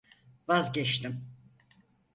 Vazgeçtim.